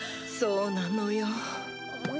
そうなのよ。